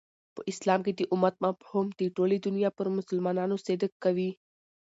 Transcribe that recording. په اسلام کښي د امت مفهوم د ټولي دنیا پر مسلمانانو صدق کوي.